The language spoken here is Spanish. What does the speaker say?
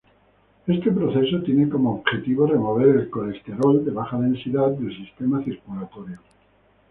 Este proceso tiene como objetivo remover el colesterol de baja densidad del sistema circulatorio.